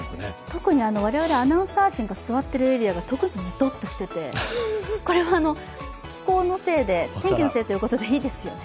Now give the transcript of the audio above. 特に我々アナウンサー陣が座っているエリアがじとっとしてて、これは気候のせい、天気のせいということでいいですよね？